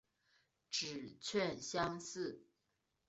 指券相似。